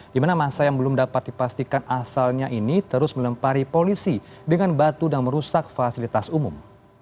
di mana masa yang belum dapat dipastikan asalnya ini terus melempari polisi dengan batu dan merusak fasilitas umum